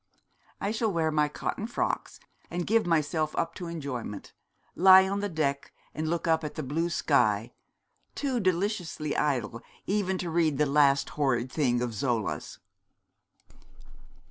I shall wear my cotton frocks, and give myself up to enjoyment, lie on the deck and look up at the blue sky, too deliciously idle even to read the last horrid thing of Zola's.'